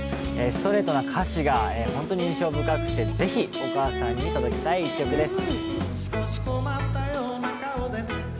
ストレートな歌詞が本当に印象深くて、ぜひお母さんに届けたい一曲です。